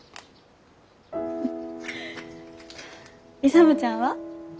勇ちゃんは？